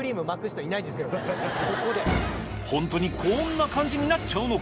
ホントにこんな感じになっちゃうのか？